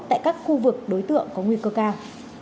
tại các khu vực đối tượng có nguy cơ cao